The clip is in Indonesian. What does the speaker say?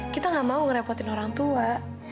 kita gak mau ngerepotin orang tua